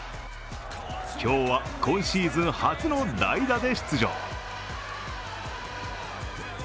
今日は今シーズン初の代打で出場。